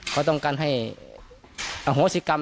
เขาต้องการให้อโหสิกรรม